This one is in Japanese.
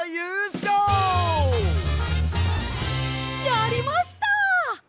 やりました！